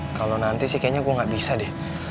udah kalo nanti sih kayaknya gue gak bisa deh